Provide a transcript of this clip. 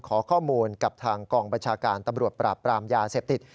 ขอข้อมูลกับทางกองบัญชาการตำรวจปราบปรามยาเสพติด